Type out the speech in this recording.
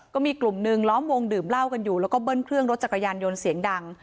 ก็มีกลุ่มนึงล้อมวงดื่มเหล้ากันอยู่แล้วก็เบิ้ลเครื่องรถจักรยานยนต์เสียงดัง